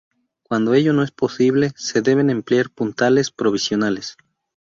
Cuando ello no es posible se deben emplear puntales provisionales.